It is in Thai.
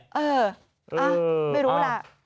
เออไม่รู้ล่ะ